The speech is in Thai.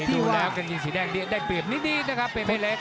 ดูแล้วกางเงียงสีแดงได้เปรียบนิดนิดนะครับเปเปเล็ก